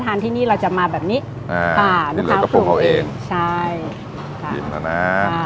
ทานที่นี่เราจะมาแบบนี้อ่านุ้ยคลาสกุลเขาเองใช่ปลาน่าอ่า